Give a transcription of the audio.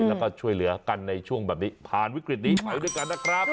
แล้วก็ช่วยเหลือกันในช่วงแบบนี้ผ่านวิกฤตนี้ไปด้วยกันนะครับ